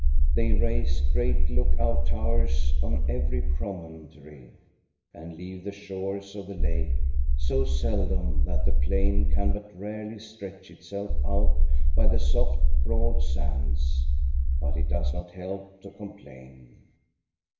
They raise great look out towers on every promontory, and leave the shores of the lake so seldom that the plain can but rarely stretch itself out by the soft, broad sands. But it does not help to complain.